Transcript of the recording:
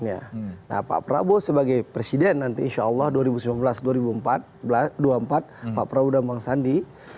nah pak prabowo sebagai presiden nanti insya allah dua ribu sembilan belas dua ribu dua puluh empat pak prabowo dan bang sandi